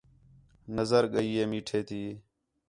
نظر ڳئی ہِے میٹھے تی